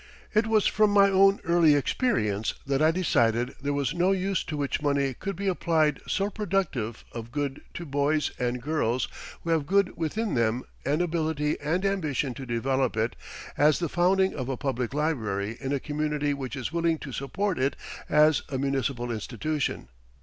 It was from my own early experience that I decided there was no use to which money could be applied so productive of good to boys and girls who have good within them and ability and ambition to develop it, as the founding of a public library in a community which is willing to support it as a municipal institution.